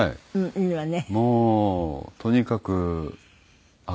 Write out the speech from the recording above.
いいわね。